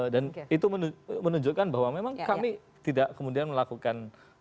dan itu menunjukkan bahwa memang kami tidak kemudian melakukan